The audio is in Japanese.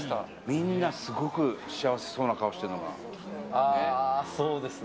みんなすごく幸せそうな顔しそうですね。